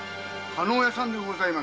叶屋さんでございます。